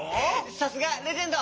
さすがレジェンド！